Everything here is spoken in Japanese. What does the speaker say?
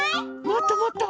もっともっと。